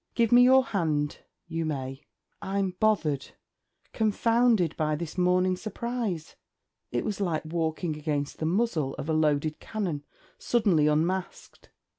Give me your hand you may: I 'm bothered confounded by this morning surprise. It was like walking against the muzzle of a loaded cannon suddenly unmasked.